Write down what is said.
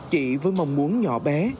chỉ với mong muốn nhỏ bé